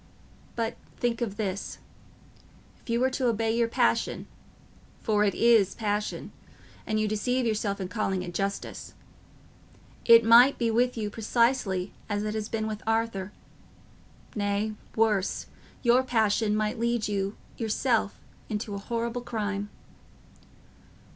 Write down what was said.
But think of this: if you were to obey your passion—for it is passion, and you deceive yourself in calling it justice—it might be with you precisely as it has been with Arthur; nay, worse; your passion might lead you yourself into a horrible crime."